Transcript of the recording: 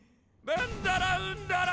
ベンダラウンダラ。